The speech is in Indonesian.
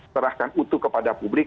terahkan utuh kepada publik